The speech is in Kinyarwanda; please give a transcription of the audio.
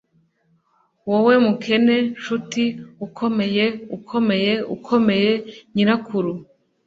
Wowe mukene nshuti ukomeye ukomeye ukomeye nyirakuru